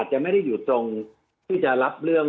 สวัสดีครับทุกคน